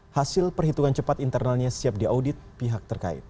hasil perhitungan cepat internalnya siap diaudit pihak terkait